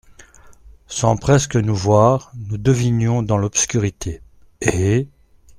Sans presque nous voir, nous nous devinions dans l’obscurité, et…